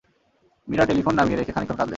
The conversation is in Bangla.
মীরা টেলিফোন নামিয়ে রেখে খানিকক্ষণ কাঁদলেন।